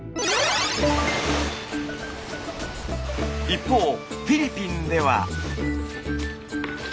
一方フィリピンでは。